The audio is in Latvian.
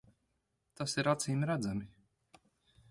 Tas ir acīmredzami.